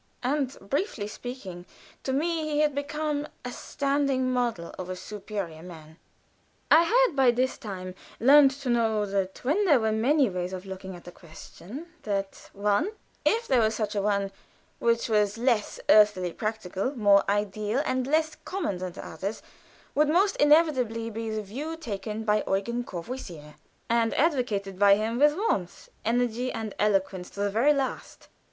And, briefly speaking, to me he had become a standing model of a superior man. I had by this time learned to know that when there were many ways of looking at a question, that one, if there were such an one, which was less earthily practical, more ideal and less common than the others, would most inevitably be the view taken by Eugen Courvoisier, and advocated by him with warmth, energy, and eloquence to the very last.